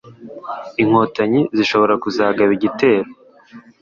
Inkotanyi zishobora kuzagaba igitero,